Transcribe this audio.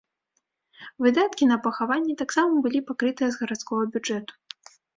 Выдаткі на пахаванне таксама былі пакрытыя з гарадскога бюджэту.